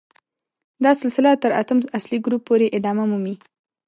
دا سلسله تر اتم اصلي ګروپ پورې ادامه مومي.